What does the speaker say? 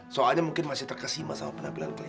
soalnya mungkin masih terkesima sama penampilan saya